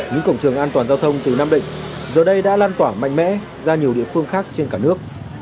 những cổng trường an toàn giao thông từ nam định giờ đây đã lan tỏa mạnh mẽ ra nhiều địa phương khác trên cả nước